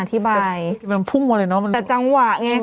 อาจารย์อธิบายมันพุ่งเอาเลยเนาะมันแต่จังหวะไง